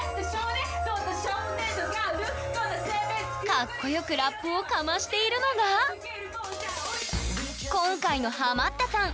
かっこよくラップをかましているのが今回のハマったさん